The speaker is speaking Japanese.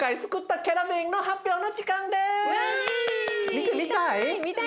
見てみたい？